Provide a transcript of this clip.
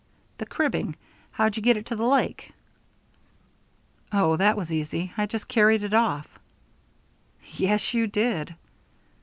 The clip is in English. "The cribbing. How'd you get it to the lake?" "Oh, that was easy. I just carried it off." "Yes, you did!"